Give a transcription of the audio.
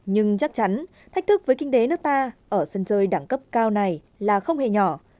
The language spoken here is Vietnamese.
nhưng chắc chắn thách thức với kinh tế nước ta ở sân chơi đẳng cấp cao này là không hề nhỏ